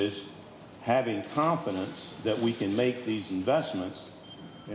dan memiliki setengah persyaratan